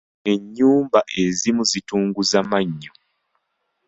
Ennyumba ezimu zitunguza mannyo.